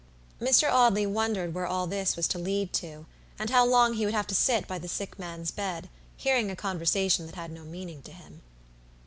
Mr. Audley wondered where all this was to lead to, and how long he would have to sit by the sick man's bed, hearing a conversation that had no meaning to him.